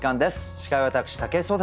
司会は私武井壮です。